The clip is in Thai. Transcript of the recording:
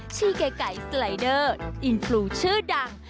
ชื่อไกลสไลด์เดอร์อินฟลูชื่อดัง